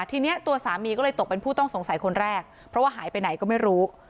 ทีนี้ตัวสามีก็เลยตกเป็นผู้ต้องสงสัยคนแรกเพราะว่าหายไปไหนก็ไม่รู้